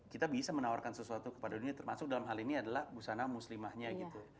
kita bisa menawarkan sesuatu kepada dunia termasuk dalam hal ini adalah busana muslimahnya gitu